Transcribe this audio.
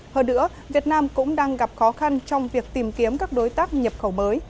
hơn nữa việt nam cũng đang gặp khó khăn trong việc tìm kiếm các đối tác nhập khẩu mới